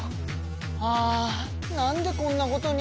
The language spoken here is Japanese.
あなんでこんなことに。